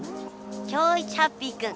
今日一ハッピーくん！